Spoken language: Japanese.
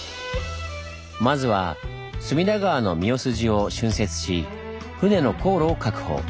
まずは隅田川の澪筋を浚渫し船の航路を確保。